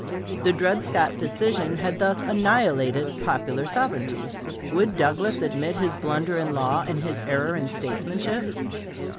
The Dred Scott decision had thus annihilated "popular sovereignty," Would Douglas admit his blunder in law, and his error in statesmanship?